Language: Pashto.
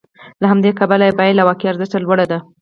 له همدې کبله یې بیه له واقعي ارزښت لوړه ده